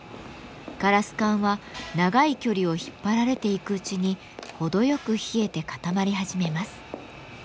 ガラス管は長い距離を引っ張られていくうちに程よく冷えて固まり始めます。